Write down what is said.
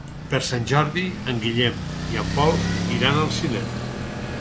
Per Sant Jordi en Guillem i en Pol iran al cinema.